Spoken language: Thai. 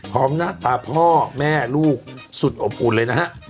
หน้าตาพ่อแม่ลูกสุดอบอุ่นเลยนะฮะ